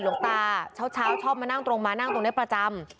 หลวงตาเช้าชอบมานั่งตรงมานั่งตรงนี้ประจำ